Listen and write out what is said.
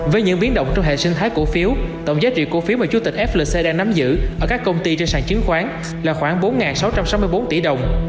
với những biến động trong hệ sinh thái cổ phiếu tổng giá trị cổ phiếu mà chủ tịch flc đang nắm giữ ở các công ty trên sàn chứng khoán là khoảng bốn sáu trăm sáu mươi bốn tỷ đồng